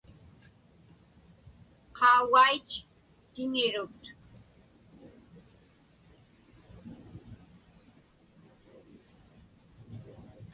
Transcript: Qaugait tiŋirut.